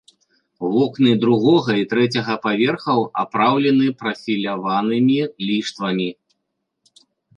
Вокны другога і трэцяга паверхаў апраўлены прафіляванымі ліштвамі.